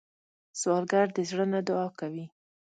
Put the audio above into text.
سوالګر د زړه نه دعا کوي